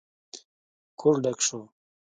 کور ډک شو.